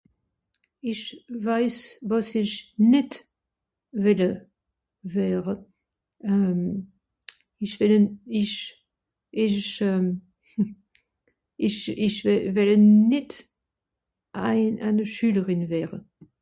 Ìch weis, wàs ìch NÌT wìlle wère, euh... ìch wìlle, ìch... ìch... euh... ìch...ìch w...wìlle NÌT ein...eine Schülerin wère !